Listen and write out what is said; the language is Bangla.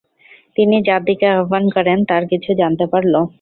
তিনি যার দিকে আহবান করেন তার কিছু জানতে পারল।